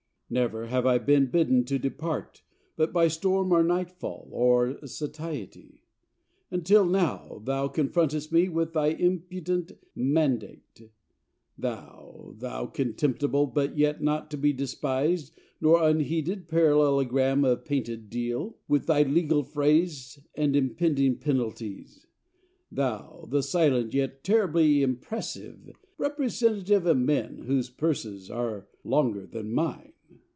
Never have I been bidden to depart but by storm or nightfall or satiety, until now thou confrontest me with thy impudent mandate, thou, thou contemptible, but yet not to be despised nor unheeded parallelogram of painted deal, with thy legal phrases and impending penalties; thou, the silent yet terribly impressive representative of men whose purses are longer than mine!